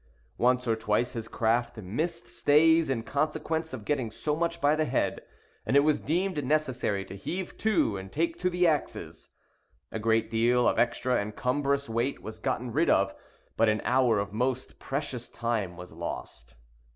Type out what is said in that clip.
Once or twice his craft missed stays in consequence of getting so much by the head, and it was deemed necessary to heave to, and take to the axes. A great deal of extra and cumbrous weight was gotten rid of, but an hour of most precious time was lost.